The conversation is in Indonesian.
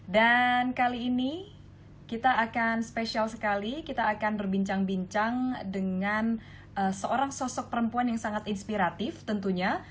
dan kali ini kita akan spesial sekali kita akan berbincang bincang dengan seorang sosok perempuan yang sangat inspiratif tentunya